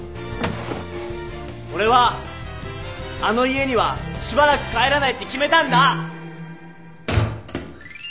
俺はあの家にはしばらく帰らないって決めたんだ！